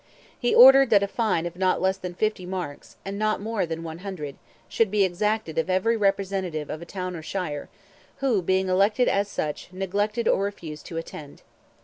He ordained that a fine of not less than fifty marks, and not more than one hundred, should be exacted of every representative of a town or shire, who, being elected as such, neglected or refused to attend.